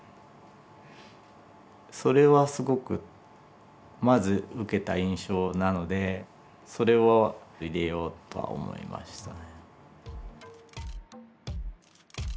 それはすごくまず受けた印象なのでそれは入れようとは思いましたね。